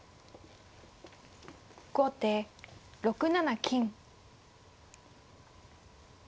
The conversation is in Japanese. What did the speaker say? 後手６七金。